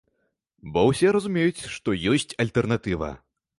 Бо ўсе разумеюць, што ёсць альтэрнатыва.